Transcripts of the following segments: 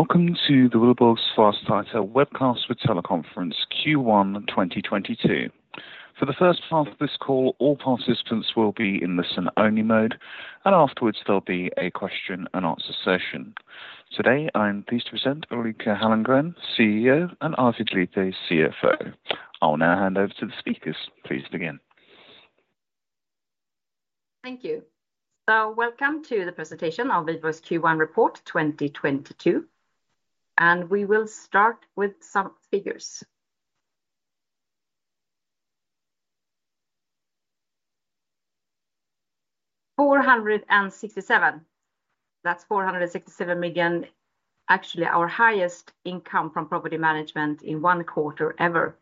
Welcome to the Wihlborgs Fastigheter Webcast with Teleconference Q1 2022. For the first part of this call, all participants will be in listen-only mode, and afterwards there'll be a question-and-answer session. Today, I am pleased to present Ulrika Hallengren, CEO, and Arvid Liepe, CFO. I'll now hand over to the speakers. Please begin. Thank you. Welcome to the presentation of Wihlborgs Q1 report 2022, and we will start with some figures. 467, that's 467 million, actually our highest income from property management in one quarter ever.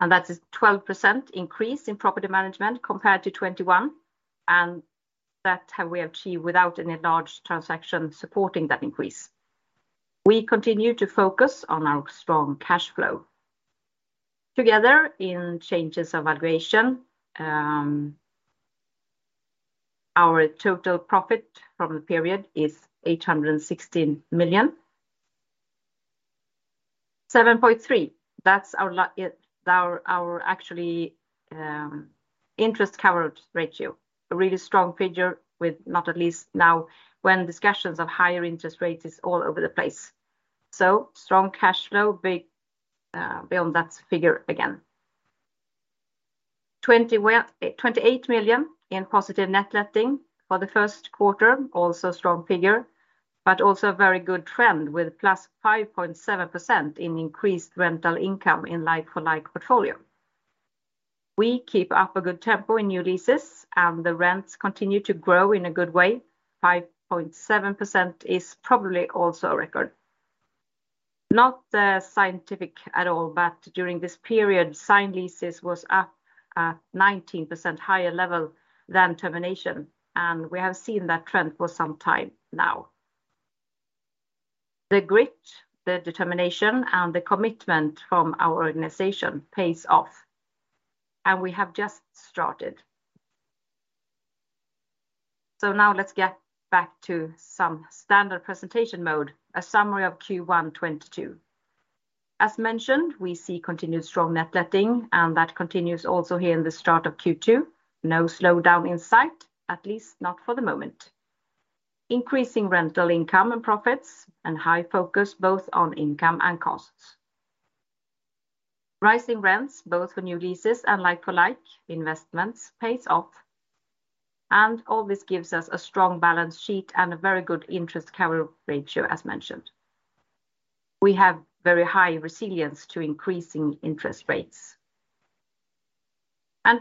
That is 12% increase in property management compared to 2021, and that we have achieved without any large transaction supporting that increase. We continue to focus on our strong cash flow. Together with changes in valuation, our total profit from the period is 816 million. 7.3x, that's our interest coverage ratio. A really strong figure with not least now when discussions of higher interest rates is all over the place. Strong cash flow being beyond that figure again. 28 million in positive net letting for the first quarter, also strong figure, but also a very good trend with +5.7% in increased rental income in like-for-like portfolio. We keep up a good tempo in new leases, and the rents continue to grow in a good way. 5.7% is probably also a record. Not scientific at all, but during this period, signed leases was up at 19% higher level than termination, and we have seen that trend for some time now. The grit, the determination, and the commitment from our organization pays off, and we have just started. Now let's get back to some standard presentation mode, a summary of Q1 2022. As mentioned, we see continued strong net letting, and that continues also here in the start of Q2. No slowdown in sight, at least not for the moment. Increasing rental income and profits and high focus both on income and costs. Rising rents both for new leases and like-for-like investments pays off, and all this gives us a strong balance sheet and a very good interest coverage ratio as mentioned. We have very high resilience to increasing interest rates.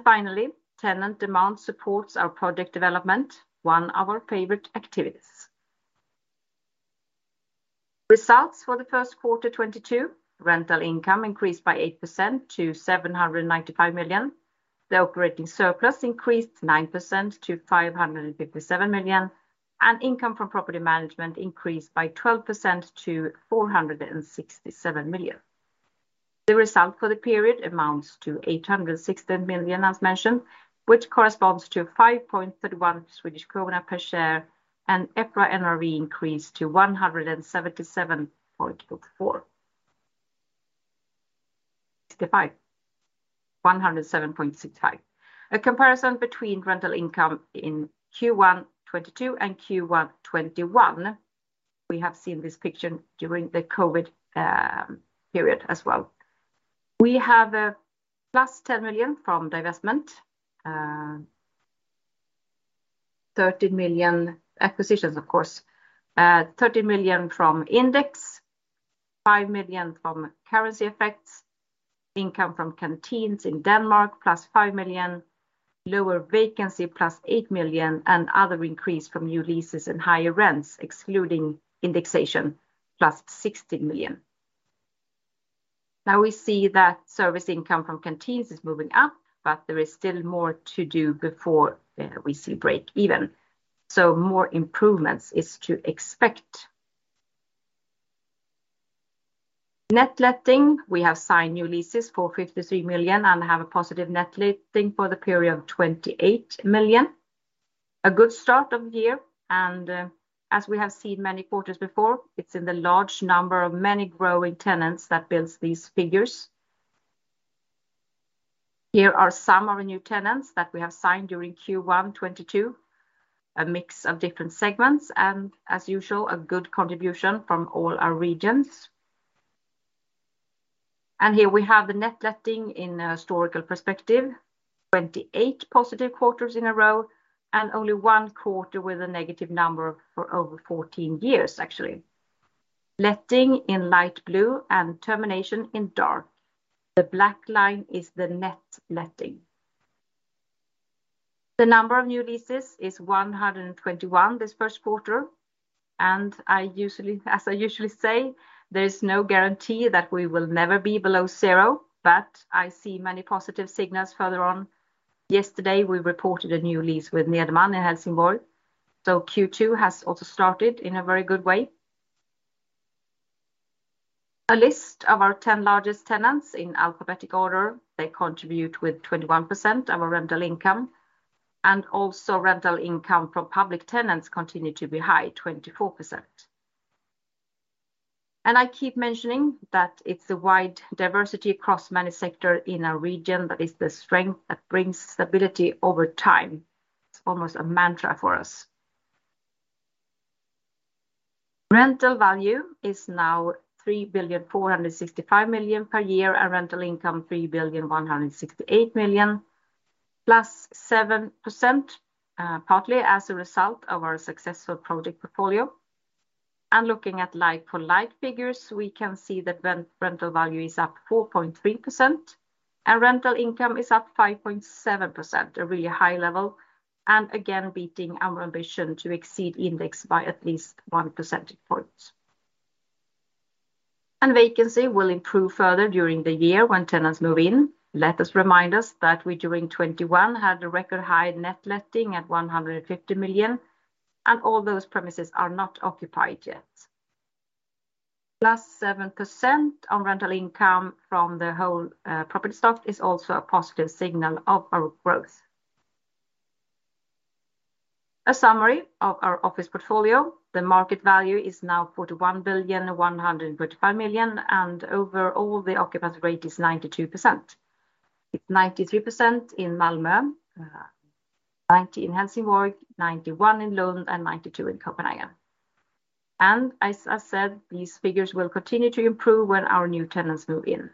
Finally, tenant demand supports our project development, one of our favorite activities. Results for the first quarter 2022. Rental income increased by 8% to 795 million. The operating surplus increased 9% to 557 million, and income from property management increased by 12% to 467 million. The result for the period amounts to 816 million as mentioned, which corresponds to 5.31 Swedish krona per share, and EPRA NRV increased to 107.65. A comparison between rental income in Q1 2022 and Q1 2021. We have seen this picture during the COVID period as well. We have +10 million from divestment. 30 million, acquisitions of course, 30 million from index, 5 million from currency effects, income from canteens in Denmark +5 million, lower vacancy +8 million, and other increase from new leases and higher rents, excluding indexation, +60 million. Now we see that service income from canteens is moving up, but there is still more to do before we see break even. More improvements is to expect. Net letting, we have signed new leases for 53 million and have a positive net letting for the period of 28 million. A good start of the year, and as we have seen many quarters before, it's in the large number of many growing tenants that builds these figures. Here are some of the new tenants that we have signed during Q1 2022, a mix of different segments and, as usual, a good contribution from all our regions. Here we have the net letting in a historical perspective. 28 positive quarters in a row and only one quarter with a negative number for over 14 years, actually. Letting in light blue and termination in dark. The black line is the net letting. The number of new leases is 121 this first quarter, and I usually say, there is no guarantee that we will never be below zero, but I see many positive signals further on. Yesterday, we reported a new lease with Nederman in Helsingborg, so Q2 has also started in a very good way. A list of our 10 largest tenants in alphabetical order. They contribute with 21% of our rental income. Rental income from public tenants continues to be high, 24%. I keep mentioning that it's a wide diversity across many sectors in our region that is the strength that brings stability over time. It's almost a mantra for us. Rental value is now 3.465 billion per year, and rental income 3.168 billion, 7%+, partly as a result of our successful project portfolio. Looking at like-for-like figures, we can see that rental value is up 4.3% and rental income is up 5.7%, a really high level, and again beating our ambition to exceed index by at least one percentage point. Vacancy will improve further during the year when tenants move in. Let us remind us that we, during 2021, had a record high net letting at 150 million, and all those premises are not occupied yet. 7%+ on rental income from the whole property stock is also a positive signal of our growth. A summary of our office portfolio. The market value is now 41.135 billion, and overall, the occupancy rate is 92%. It's 92% in Malmö, 90% in Helsingborg, 91% in Lund, and 92% in Copenhagen. As I said, these figures will continue to improve when our new tenants move in.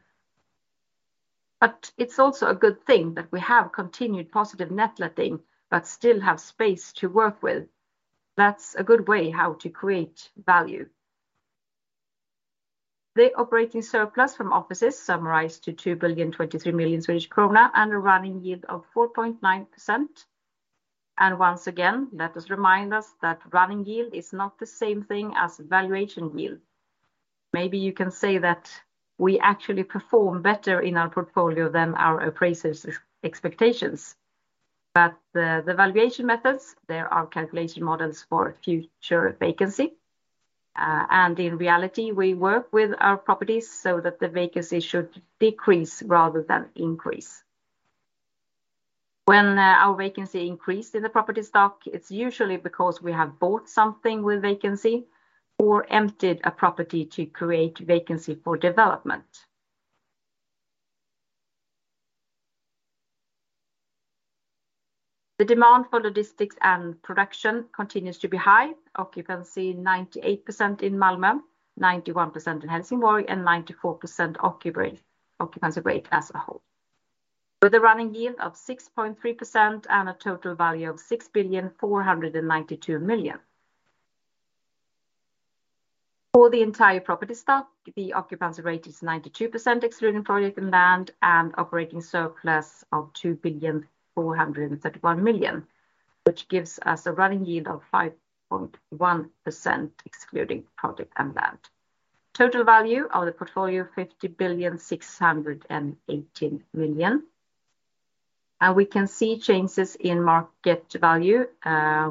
It's also a good thing that we have continued positive net letting but still have space to work with. That's a good way how to create value. The operating surplus from offices summarized to 2.023 million Swedish krona and a running yield of 4.9%. Once again, let us remind us that running yield is not the same thing as valuation yield. Maybe you can say that we actually perform better in our portfolio than our appraisers' expectations. The valuation methods, they are calculation models for future vacancy. In reality, we work with our properties so that the vacancy should decrease rather than increase. When our vacancy increased in the property stock, it's usually because we have bought something with vacancy or emptied a property to create vacancy for development. The demand for logistics and production continues to be high. Occupancy 98% in Malmö, 91% in Helsingborg, and 94% occupancy rate as a whole, with a running yield of 6.3% and a total value of 6.492 billion. For the entire property stock, the occupancy rate is 92%, excluding project and land, and operating surplus of 2.431 billion, which gives us a running yield of 5.1%, excluding project and land. Total value of the portfolio, 50.618 billion. We can see changes in market value.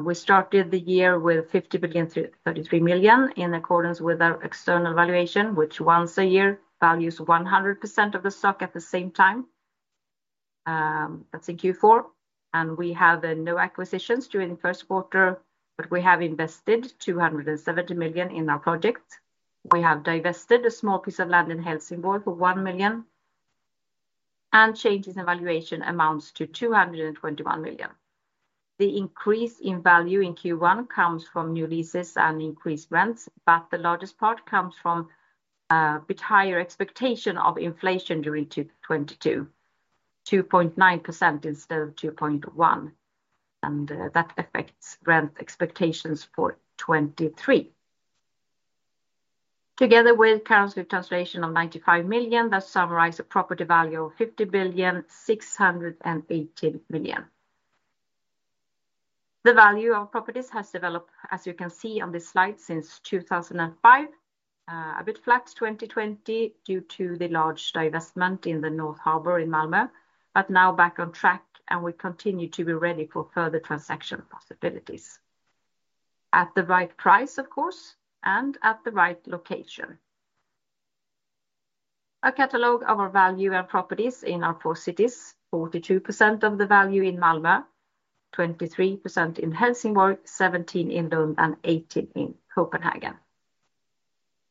We started the year with 50.033 billion in accordance with our external valuation, which once a year values 100% of the stock at the same time. That's in Q4. We have no acquisitions during the first quarter, but we have invested 270 million in our project. We have divested a small piece of land in Helsingborg for 1 million, and changes in valuation amounts to 221 million. The increase in value in Q1 comes from new leases and increased rents, but the largest part comes from a bit higher expectation of inflation during 2022, 2.9% instead of 2.1%, and that affects rent expectations for 2023. Together with currency translation of 95 million, that summarize a property value of 50,618 million. The value of properties has developed, as you can see on this slide, since 2005. A bit flat 2020 due to the large divestment in the Norra Hamnen in Malmö, but now back on track, and we continue to be ready for further transaction possibilities. At the right price, of course, and at the right location. A catalog of our value add properties in our four cities. 42% of the value in Malmö, 23% in Helsingborg, 17% in Lund, and 18% in Copenhagen.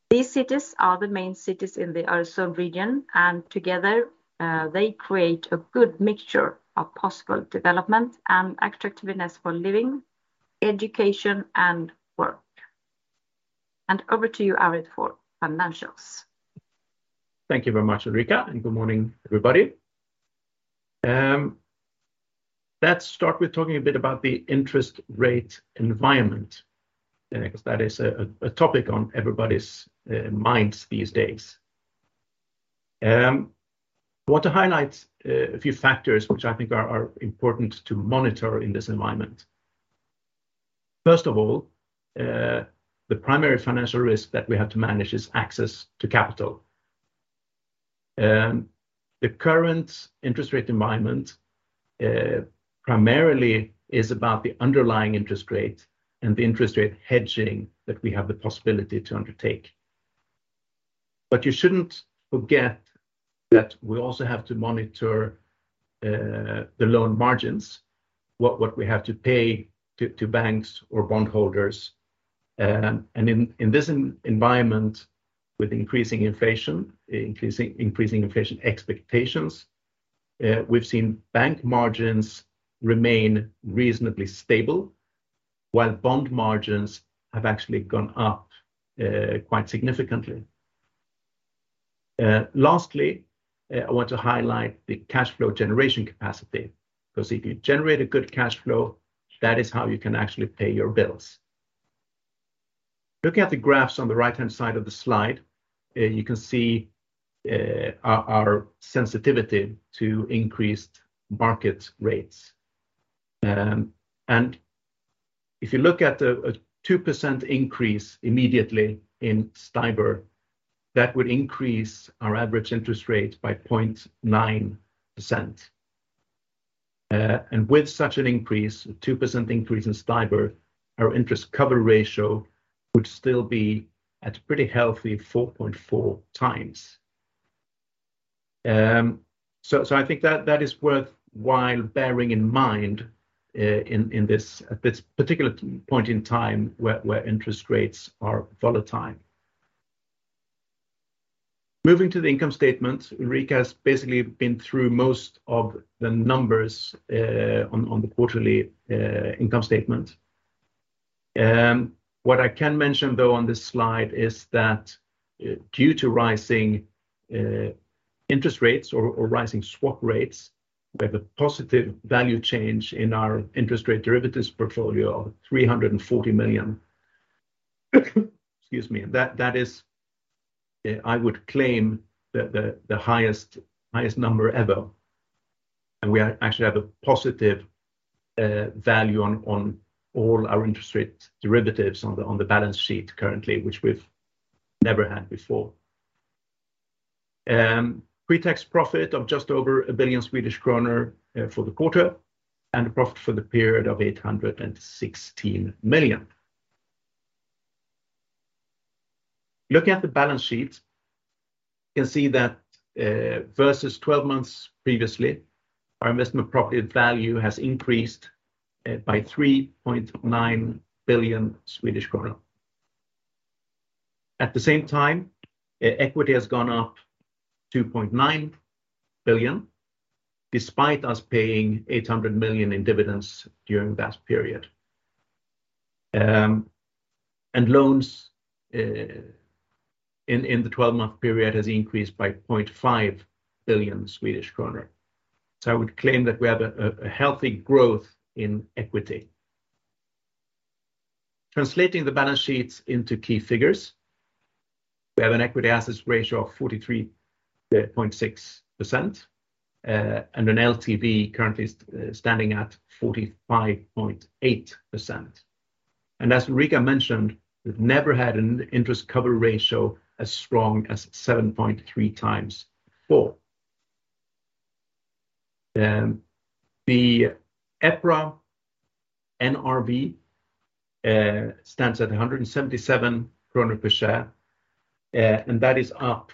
These cities are the main cities in the Öresund region, and together, they create a good mixture of possible development and attractiveness for living, education, and work. Over to you, Arvid, for financials. Thank you very much, Ulrika, and good morning, everybody. Let's start with talking a bit about the interest rate environment, because that is a topic on everybody's minds these days. I want to highlight a few factors which I think are important to monitor in this environment. First of all, the primary financial risk that we have to manage is access to capital. The current interest rate environment primarily is about the underlying interest rate and the interest rate hedging that we have the possibility to undertake. You shouldn't forget that we also have to monitor the loan margins, what we have to pay to banks or bondholders. In this environment with increasing inflation expectations, we've seen bank margins remain reasonably stable, while bond margins have actually gone up quite significantly. Lastly, I want to highlight the cash flow generation capacity, because if you generate a good cash flow, that is how you can actually pay your bills. Looking at the graphs on the right-hand side of the slide, you can see our sensitivity to increased market rates. If you look at a 2% increase immediately in STIBOR, that would increase our average interest rate by 0.9%. With such an increase, 2% increase in STIBOR, our interest coverage ratio would still be at a pretty healthy 4.4x. I think that is worthwhile bearing in mind in this particular point in time where interest rates are volatile. Moving to the income statement, Ulrika has basically been through most of the numbers on the quarterly income statement. What I can mention though on this slide is that due to rising interest rates or rising swap rates, we have a positive value change in our interest rate derivatives portfolio of 340 million. Excuse me. That is, I would claim the highest number ever. Actually we have a positive value on all our interest rate derivatives on the balance sheet currently, which we've never had before. Pretax profit of just over 1 billion Swedish kronor for the quarter, and profit for the period of 816 million. Looking at the balance sheet, you can see that versus 12 months previously, our investment property value has increased by 3.9 billion Swedish kronor. At the same time, equity has gone up 2.9 billion, despite us paying 800 million in dividends during that period. Loans in the 12-month period has increased by 0.5 billion Swedish kronor. I would claim that we have a healthy growth in equity. Translating the balance sheets into key figures, we have an equity/assets ratio of 43.6%, and an LTV currently standing at 45.8%. As Ulrika mentioned, we've never had an interest coverage ratio as strong as 7.3x before. The EPRA NRV stands at 177 kronor per share, and that is up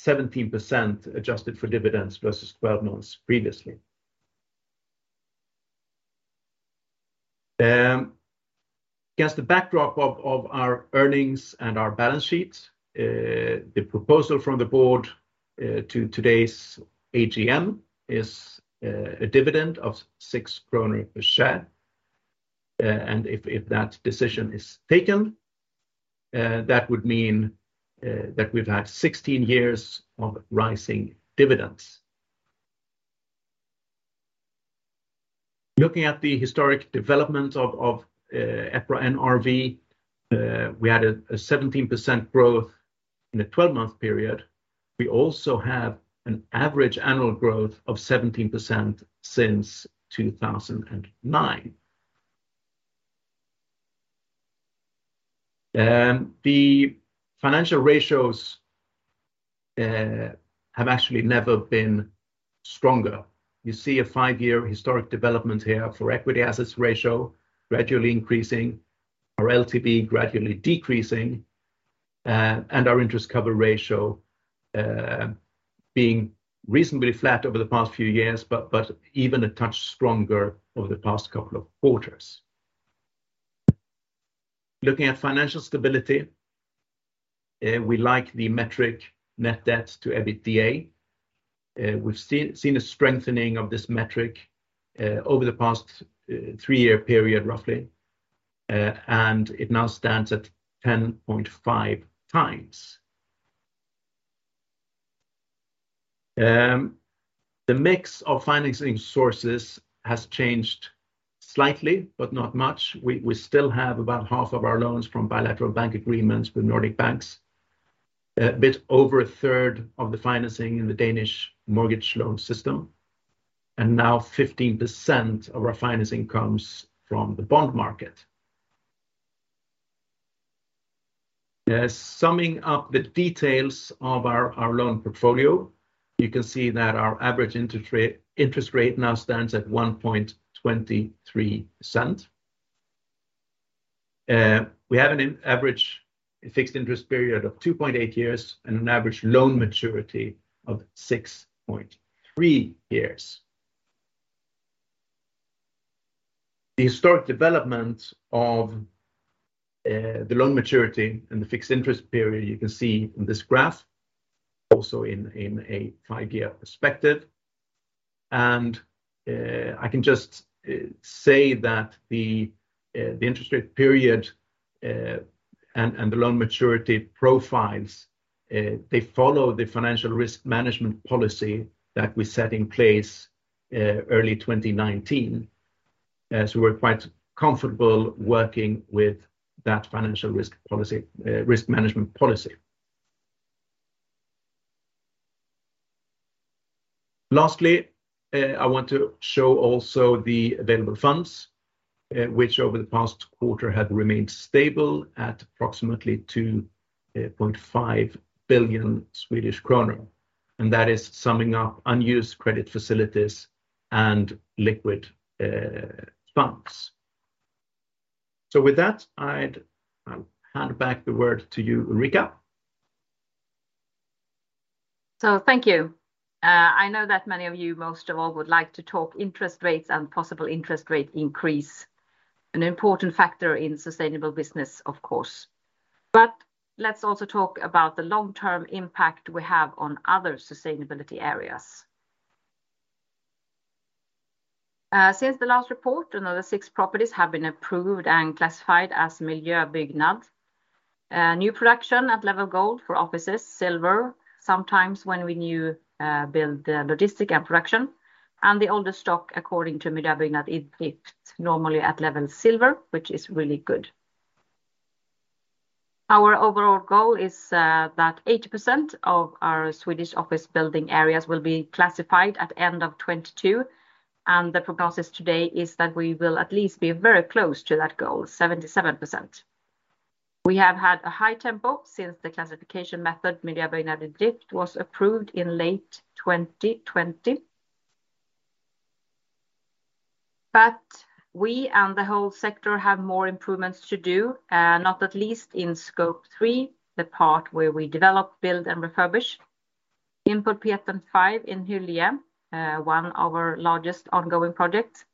17% adjusted for dividends versus 12 months previously. Against the backdrop of our earnings and our balance sheets, the proposal from the board to today's AGM is a dividend of 6 kronor per share. If that decision is taken, that would mean that we've had 16 years of rising dividends. Looking at the historic development of EPRA NRV, we had a 17% growth in the 12-month period. We also have an average annual growth of 17% since 2009. The financial ratios have actually never been stronger. You see a five-year historic development here for equity/assets ratio gradually increasing, our LTV gradually decreasing, and our interest coverage ratio being reasonably flat over the past few years, but even a touch stronger over the past couple of quarters. Looking at financial stability, we like the metric net debt to EBITDA. We've seen a strengthening of this metric over the past three-year period roughly, and it now stands at 10.5x. The mix of financing sources has changed slightly, but not much. We still have about half of our loans from bilateral bank agreements with Nordic banks, a bit over a third of the financing in the Danish mortgage loan system, and now 15% of our financing comes from the bond market. Yes. Summing up the details of our loan portfolio, you can see that our average interest rate now stands at 1.23%. We have an average fixed interest period of 2.8 years and an average loan maturity of 6.3 years. The historic development of the loan maturity and the fixed interest period, you can see in this graph also in a 5-year perspective. I can just say that the interest rate period and the loan maturity profiles they follow the financial risk management policy that we set in place early 2019, as we were quite comfortable working with that financial risk policy risk management policy. Lastly, I want to show also the available funds, which over the past quarter had remained stable at approximately 2.5 billion Swedish kronor, and that is summing up unused credit facilities and liquid funds. With that, I'll hand back the word to you, Ulrika. Thank you. I know that many of you, most of all, would like to talk interest rates and possible interest rate increase, an important factor in sustainable business of course. Let's also talk about the long-term impact we have on other sustainability areas. Since the last report, another six properties have been approved and classified as Miljöbyggnad. New production at level Gold for offices, Silver, sometimes when we build the logistics and production, and the older stock according to Miljöbyggnad, it's normally at level Silver, which is really good. Our overall goal is that 80% of our Swedish office building areas will be classified at end of 2022, and the prognosis today is that we will at least be very close to that goal, 77%. We have had a high tempo since the classification method Miljöbyggnad, it was approved in late 2020. We and the whole sector have more improvements to do, not least in Scope 3, the part where we develop, build, and refurbish. Input P15 in Hyllie, one of our largest ongoing projects,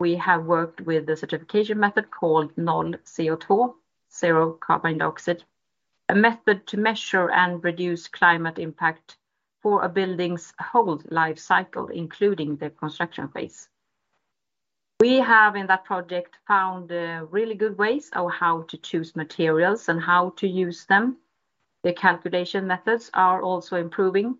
we have worked with the certification method called NollCO2, zero carbon dioxide, a method to measure and reduce climate impact for a building's whole life cycle, including the construction phase. We have, in that project, found really good ways of how to choose materials and how to use them. The calculation methods are also improving.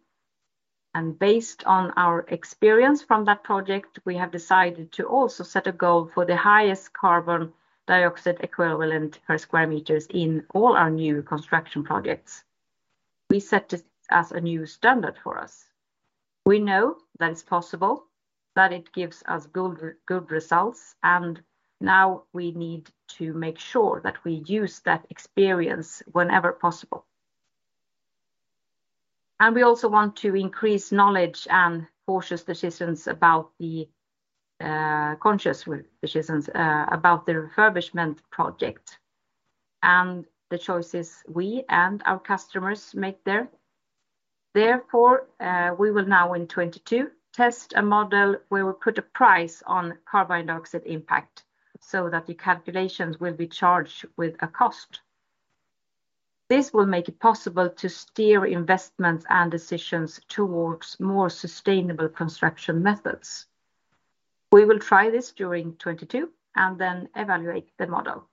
Based on our experience from that project, we have decided to also set a goal for the lowest carbon dioxide equivalent per square meters in all our new construction projects. We set this as a new standard for us. We know that it's possible, that it gives us good results, and now we need to make sure that we use that experience whenever possible. We also want to increase knowledge and conscious decisions about the refurbishment project and the choices we and our customers make there. Therefore, we will now in 2022 test a model where we put a price on carbon dioxide impact so that the calculations will be charged with a cost. This will make it possible to steer investments and decisions towards more sustainable construction methods. We will try this during 2022 and then evaluate the model.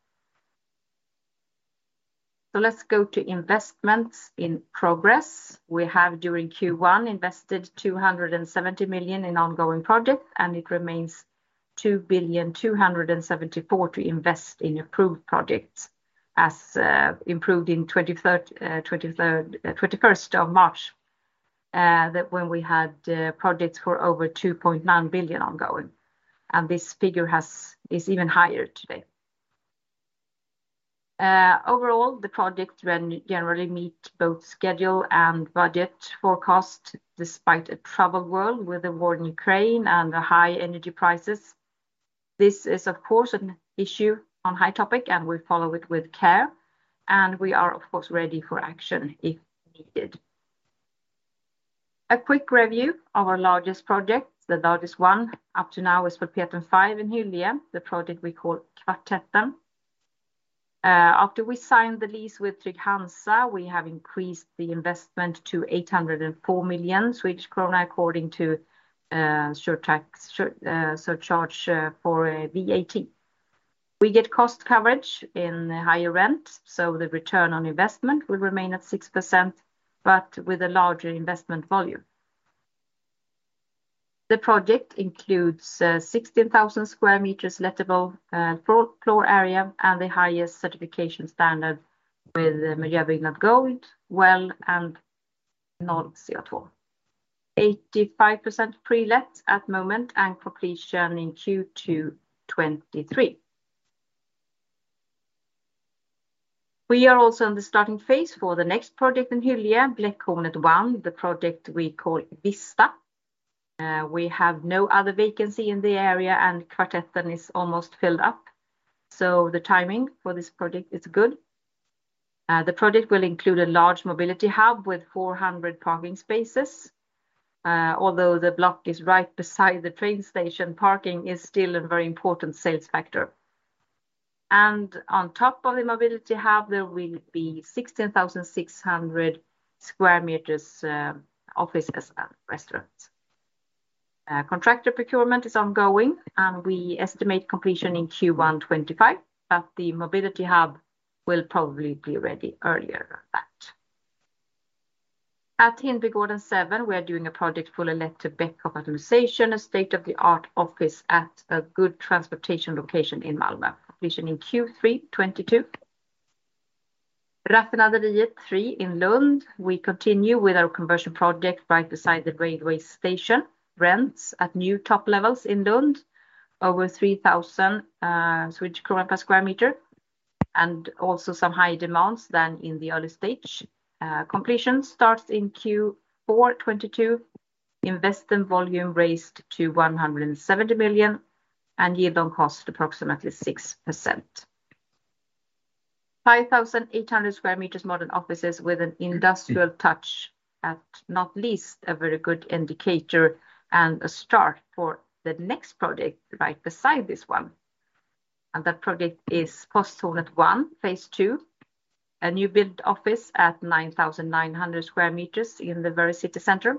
Let's go to investments in progress. We have during Q1 invested 270 million in ongoing projects, and it remains 2.274 billion to invest in approved projects as approved on the twenty-first of March when we had projects for over 2.9 billion ongoing, and this figure is even higher today. Overall, the projects generally meet both schedule and budget forecast despite a troubled world with the war in Ukraine and the high energy prices. This is of course an issue, a hot topic, and we follow it with care, and we are of course ready for action if needed. A quick review of our largest projects. The largest one up to now is for P15 in Hyllie, the project we call Kvartetten. After we signed the lease with Trygg-Hansa, we have increased the investment to 804 million Swedish krona according to surcharge for VAT. We get cost coverage in higher rent, so the return on investment will remain at 6% but with a larger investment volume. The project includes 16,000 sq m lettable floor area and the highest certification standard with Miljöbyggnad Gold, WELL, and NollCO2. 85% pre-let at moment and completion in Q2 2023. We are also in the starting phase for the next project in Hyllie, Bläckhornet 1, the project we call Vista. We have no other vacancy in the area, and Kvartetten is almost filled up, so the timing for this project is good. The project will include a large mobility hub with 400 parking spaces. Although the block is right beside the train station, parking is still a very important sales factor. On top of the mobility hub, there will be 16,600 sq m offices and restaurants. Contractor procurement is ongoing, and we estimate completion in Q1 2025, but the mobility hub will probably be ready earlier than that. At Hindbygården 7, we are doing a project for Beckhoff Automation, a state-of-the-art office at a good transportation location in Malmö. Completion in Q3 2022. Raffinaderiet 3 in Lund, we continue with our conversion project right beside the railway station. Rents at new top levels in Lund, over 3,000 per sq m, and also some higher demand than in the early stage. Completion starts in Q4 2022. Investment volume raised to 170 million, and yield on cost, approximately 6%. 5,800 sq m modern offices with an industrial touch, and not least, a very good indicator and a start for the next project right beside this one. That project is Bläckhornet 1, Phase 2, a new-build office at 9,900 sq m in the very city center.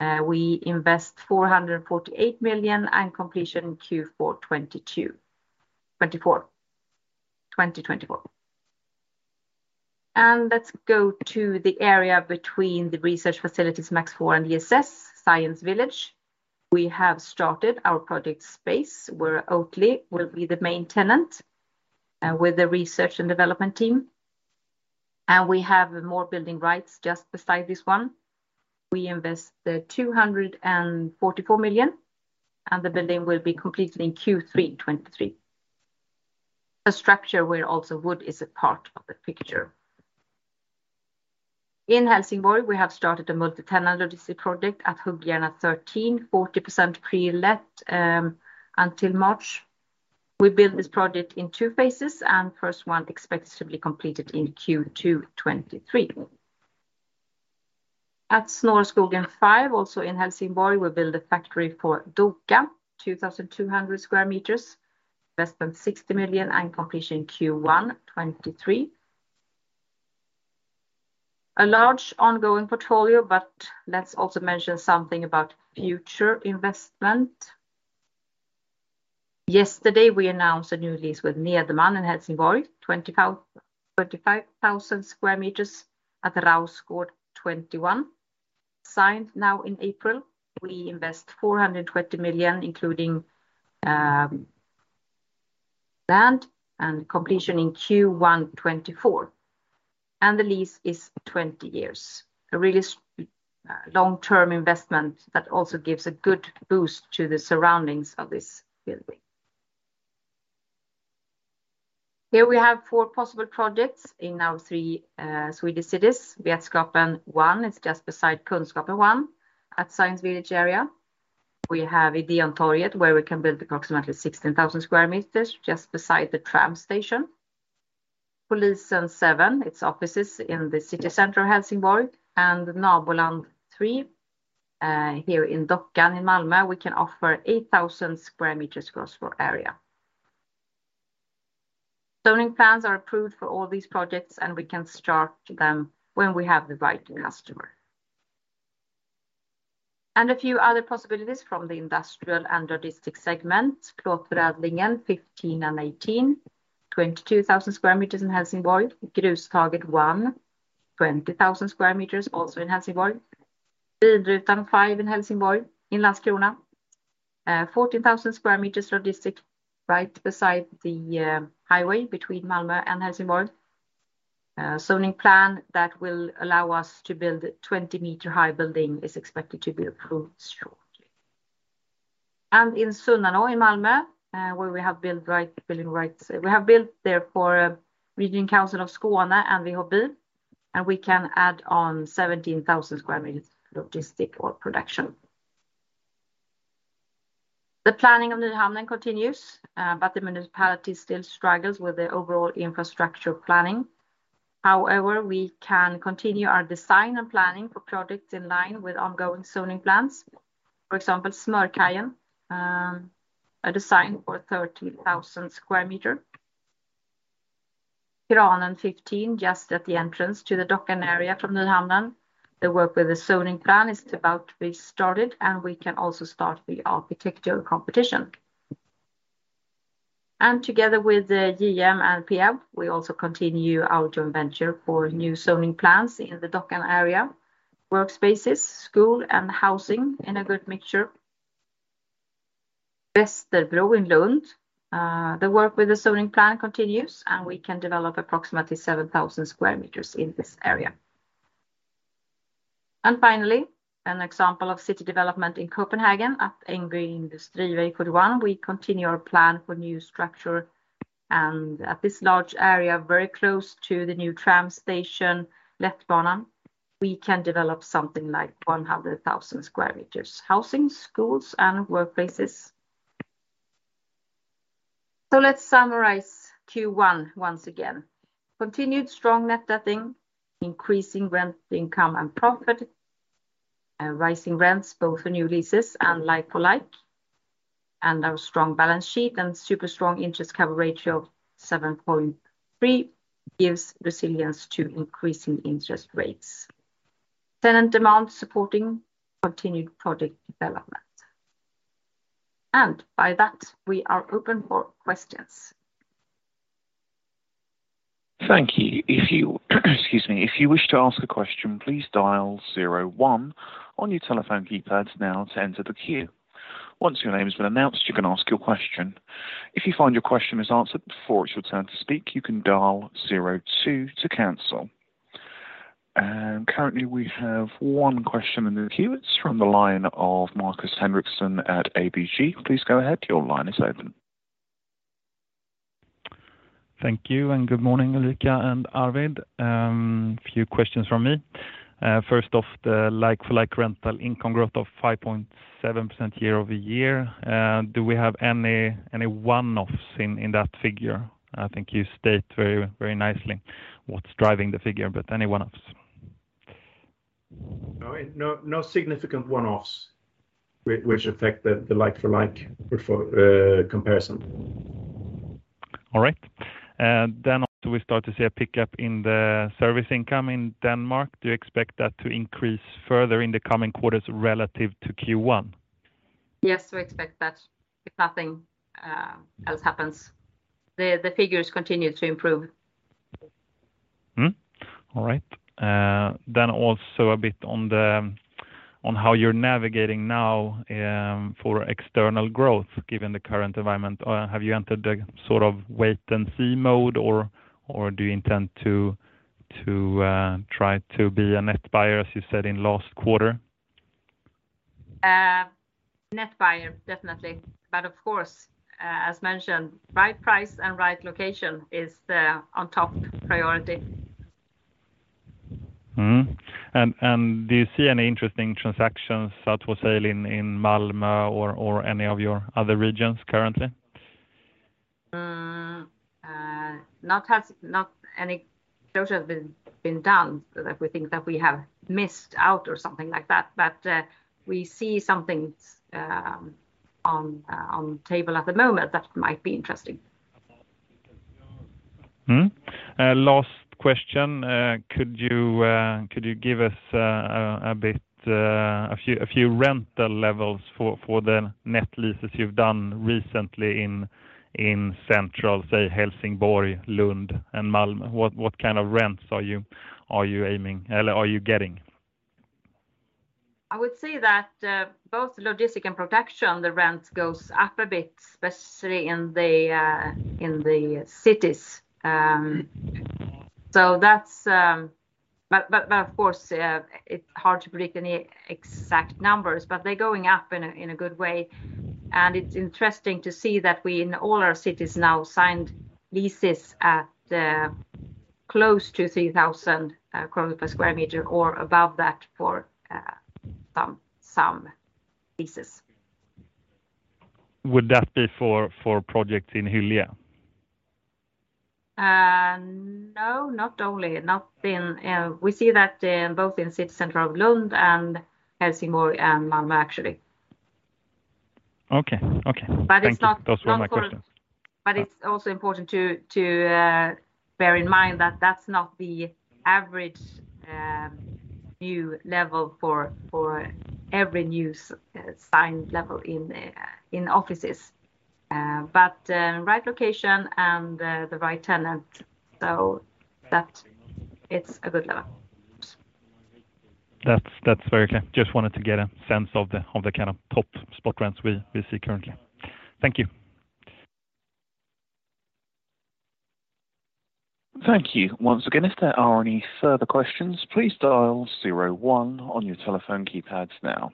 We invest 448 million, and completion Q4 2024. Let's go to the area between the research facilities MAX IV and ESS, Science Village. We have started our project space, where Oatly will be the main tenant, with a research and development team. We have more building rights just beside this one. We invest 244 million, and the building will be completed in Q3 2023. A structure where also wood is a part of the picture. In Helsingborg, we have started a multi-tenant logistics project at Huggerna 13, 40% pre-let until March. We build this project in two phases, and first one expected to be completed in Q2 2023. At Snårskogen 5, also in Helsingborg, we build a factory for Doka, 2,200 sq m, investment SEK 60 million, and completion Q1 2023. A large ongoing portfolio, but let's also mention something about future investment. Yesterday, we announced a new lease with Nederman in Helsingborg, 25,000 sq m at Rausgård 21, signed now in April. We invest 420 million, including land, and completion in Q1 2024. The lease is 20 years. A really long-term investment that also gives a good boost to the surroundings of this building. Here we have four possible projects in our three Swedish cities. Vetskapen 1 is just beside Kunskapen 1 at Science Village area. We have Ideon Torget, where we can build approximately 16,000 sq m just beside the tram station. Polisen 7, it's offices in the city center of Helsingborg. Nabolag 3 here in Dockan in Malmö, we can offer 8,000 sq m gross floor area. Zoning plans are approved for all these projects, and we can start them when we have the right customer. A few other possibilities from the industrial and logistics segment. Plåtforädlingen 15 and 18, 22,000 sq m in Helsingborg. Grustaget 1, 20,000 sq m, also in Helsingborg. Bilrutan 5 in Helsingborg, in Landskrona. 14,000 sq m logistic right beside the highway between Malmö and Helsingborg. Zoning plan that will allow us to build 20-meter-high building is expected to be approved shortly. In Sunnanå in Malmö, where we have building rights. We have built there for Region Skåne and WHB, and we can add on 17,000 sq m logistics or production. The planning of Nyhamnen continues, but the municipality still struggles with the overall infrastructure planning. However, we can continue our design and planning for projects in line with ongoing zoning plans. For example, Smörkajen, a design for 30,000 sq m. Kranen 15, just at the entrance to the Dockan area from Nyhamnen. The work with the zoning plan is about to be started, and we can also start the architectural competition. Together with JM and Peab, we also continue our joint venture for new zoning plans in the Dockan area. Workspaces, school, and housing in a good mixture. Västerbro in Lund. The work with the zoning plan continues, and we can develop approximately 7,000 sq m in this area. Finally, an example of city development in Copenhagen at Ejby Industrivej 41. We continue our plan for new structure, and at this large area, very close to the new tram station, letbanen, we can develop something like 100,000 sq m housing, schools, and workplaces. Let's summarize Q1 once again. Continued strong net letting, increasing rental income and profit, rising rents both for new leases and like-for-like. Our strong balance sheet and super strong interest coverage ratio of 7.3x gives resilience to increasing interest rates. Tenant demand supporting continued project development. By that, we are open for questions. Thank you. If you wish to ask a question, please dial zero one on your telephone keypads now to enter the queue. Once your name has been announced, you can ask your question. If you find your question is answered before it's your turn to speak, you can dial zero two to cancel. Currently, we have one question in the queue. It's from the line of Markus Henriksson at ABG. Please go ahead. Your line is open. Thank you, and good morning, Ulrika and Arvid. A few questions from me. First off, the like-for-like rental income growth of 5.7% year-over-year. Do we have any one-offs in that figure? I think you state very, very nicely what's driving the figure, but any one-offs? No significant one-offs which affect the like-for-like performance comparison. All right. We start to see a pickup in the service income in Denmark. Do you expect that to increase further in the coming quarters relative to Q1? Yes, we expect that if nothing else happens. The figures continue to improve. Mm-hmm. All right. A bit on how you're navigating now for external growth given the current environment. Have you entered the sort of wait and see mode or do you intend to try to be a net buyer, as you said in last quarter? Net buyer, definitely. Of course, as mentioned, right price and right location is the top priority. Mm-hmm. Do you see any interesting transactions that were sales in Malmö or any of your other regions currently? Uhmm. Not any closure has been done that we think that we have missed out or something like that. We see something on the table at the moment that might be interesting. Mm-hmm. Last question. Could you give us a few rental levels for the net lettings you've done recently in central, say, Helsingborg, Lund, and Malmö? What kind of rents are you aiming, or are you getting? I would say that both logistics and production, the rent goes up a bit, especially in the cities. That's, of course, it's hard to predict any exact numbers, but they're going up in a good way. It's interesting to see that we, in all our cities now, signed leases at close to 3,000 per sq m or above that for some leases. Would that be for projects in Hyllie? No, not only. We see that both in city center of Lund and Helsingborg and Malmö, actually. Okay. Okay. It's not- Thank you. Those were my questions.... It's also important to bear in mind that that's not the average yield level for every new signed lease in offices. Right location and the right tenant, so that it's a good level. That's very clear. Just wanted to get a sense of the kind of top spot rents we see currently. Thank you. Thank you. Once again, if there are any further questions, please dial zero one on your telephone keypads now.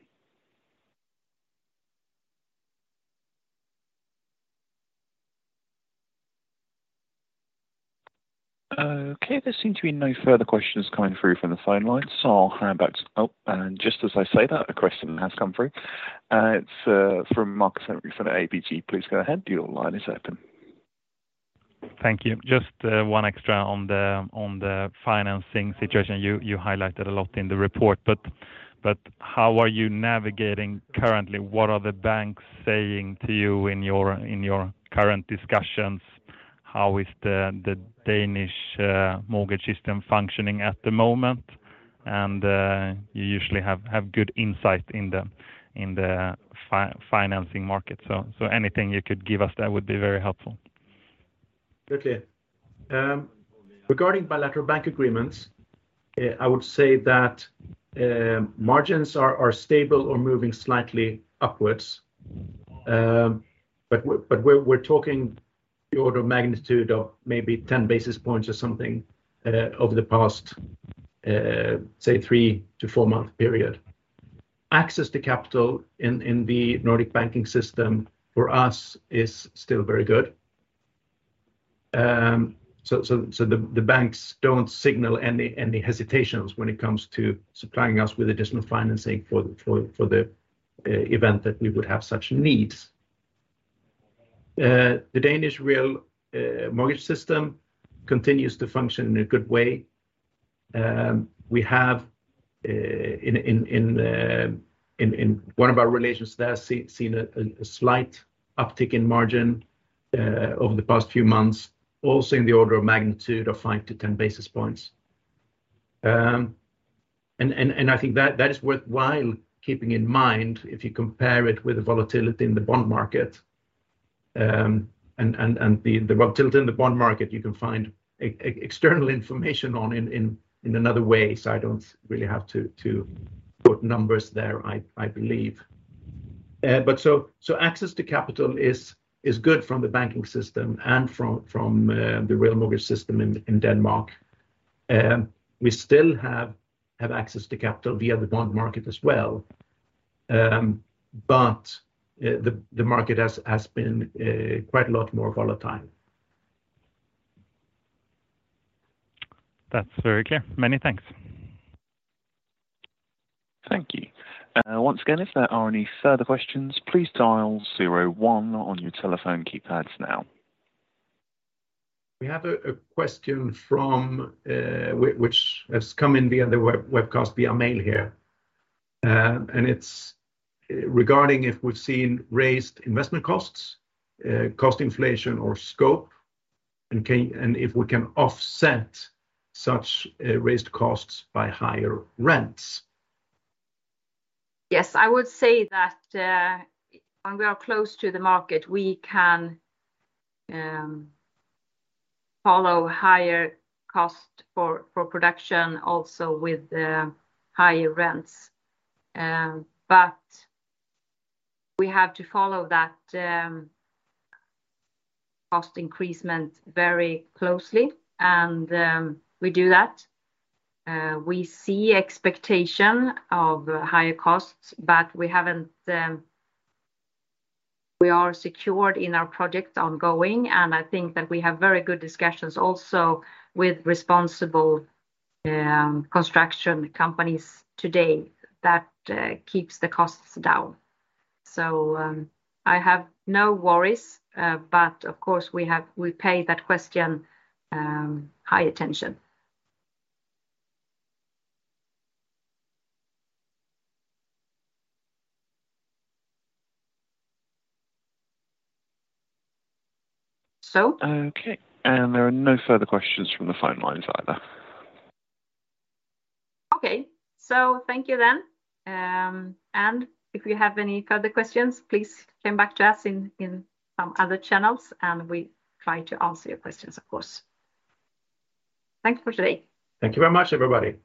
Okay, there seem to be no further questions coming through from the phone lines. I'll hand back to... Oh, and just as I say that, a question has come through. It's from Markus Henriksson at ABG. Please go ahead. Your line is open. Thank you. Just one extra on the financing situation. You highlighted a lot in the report, but how are you navigating currently? What are the banks saying to you in your current discussions? How is the Danish mortgage system functioning at the moment? You usually have good insight in the financing market. Anything you could give us there would be very helpful. Certainly. Regarding bilateral bank agreements, I would say that margins are stable or moving slightly upwards. We're talking the order of magnitude of maybe 10 basis points or something over the past say 3 to 4-month period. Access to capital in the Nordic banking system for us is still very good. The banks don't signal any hesitations when it comes to supplying us with additional financing for the event that we would have such needs. The Danish real estate mortgage system continues to function in a good way. We have in one of our relations there seen a slight uptick in margin over the past few months, also in the order of magnitude of 5-10 basis points. I think that is worthwhile keeping in mind if you compare it with the volatility in the bond market. The volatility in the bond market, you can find external information on in another way, so I don't really have to put numbers there, I believe. Access to capital is good from the banking system and from the Realkredit system in Denmark. We still have access to capital via the bond market as well, but the market has been quite a lot more volatile. That's very clear. Many thanks. Thank you. Once again, if there are any further questions, please dial zero one on your telephone keypads now. We have a question from which has come in via the webcast via mail here. It's regarding if we've seen raised investment costs, cost inflation or scope, and if we can offset such raised costs by higher rents. Yes. I would say that when we are close to the market, we can follow higher costs for production also with the higher rents. We have to follow that cost increase very closely, and we do that. We see expectations of higher costs, but we haven't. We are secured in our project ongoing, and I think that we have very good discussions also with responsible construction companies today that keeps the costs down. I have no worries, but of course, we pay that question high attention. Okay. There are no further questions from the phone lines either. Okay. Thank you, then. If you have any further questions, please come back to us in some other channels, and we try to answer your questions, of course. Thank you for today. Thank you very much, everybody.